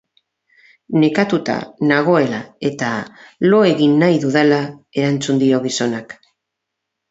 Nekatuta nagoela eta lo egin nahi dudala, erantzun dio gizonak.